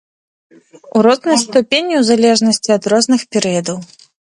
У рознай ступені ў залежнасці ад розных перыядаў.